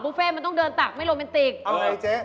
เฟ่มันต้องเดินตักไม่โรแมนติกเอาไงเจ๊